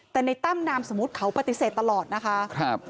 แต่ในตั้มนามสมมุติเขาปฏิเสธตลอดนะคะ